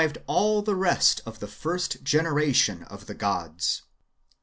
161 all the rest of the first generation of the gods.